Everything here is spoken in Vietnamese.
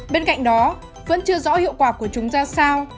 bên cạnh đó vẫn chưa rõ hiệu quả của chúng ra sao